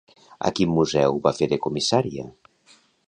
A quin museu va fer de comissària?